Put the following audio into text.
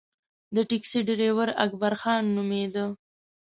د ټیکسي ډریور اکبرخان نومېده.